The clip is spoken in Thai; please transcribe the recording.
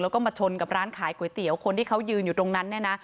แล้วก็มาชนกับร้านขายก๋วยเตี๋ยวคนที่เขายืนอยู่ตรงนั้นเนี่ยนะ